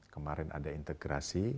kemarin ada integrasi